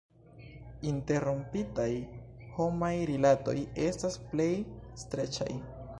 Interrompitaj homaj rilatoj estas plej streĉaj.